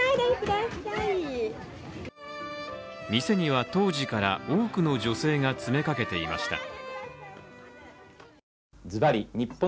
店には当時から多くの女性が詰めかけていました。